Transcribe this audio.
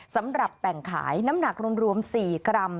สำหรับแต่งขายน้ำหนักรวม๔กรัม